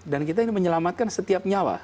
dan kita ini menyelamatkan setiap nyawa